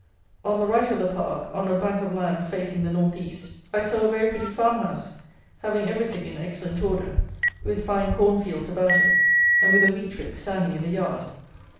On the right of the park, on a bank of land facing the north east, I saw a very pretty farmhouse, having everything in excellent order, with fine corn fields about it, and with a wheat rick standing in the yard.